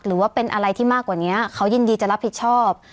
หรือว่าเป็นอะไรที่มากกว่านี้เขายินดีจะรับผิดชอบ